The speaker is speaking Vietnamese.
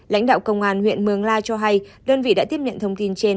lãnh đạo công an huyện mường la cho hay đơn vị đã tiếp nhận thông tin trên